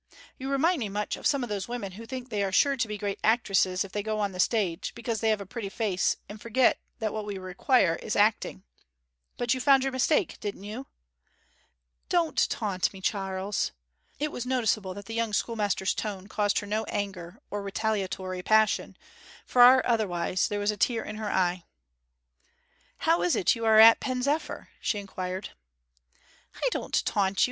You remind me much of some of those women who think they are sure to be great actresses if they go on the stage, because they have a pretty face, and forget that what we require is acting. But you found your mistake, didn't you?' 'Don't taunt me, Charles.' It was noticeable that the young schoolmaster's tone caused her no anger or retaliatory passion; far otherwise: there was a tear in her eye. 'How is it you are at Pen zephyr?' she inquired. 'I don't taunt you.